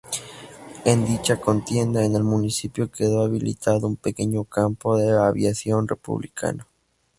En dicha contienda en el municipio quedó habilitado un pequeño campo de aviación republicano.